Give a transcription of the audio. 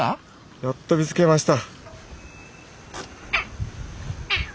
やっと見つけました。